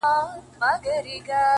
زمـا مــاسوم زړه _